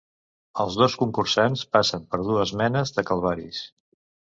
Els dos concursants passen per dues menes de calvaris.